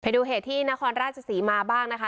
ดูเหตุที่นครราชศรีมาบ้างนะคะ